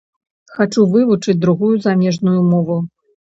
Хачу вывучыць другую замежную мову.